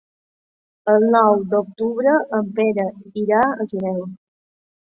El nou d'octubre en Pere irà al cinema.